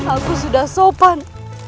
aku sudah sopan